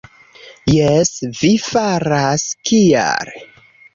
Jes, vi faras; kial?